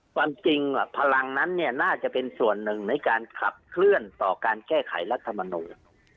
ความจริงพลังนั้นเนี่ยน่าจะเป็นส่วนหนึ่งในการขับเคลื่อนต่อการแก้ไขรัฐมนูล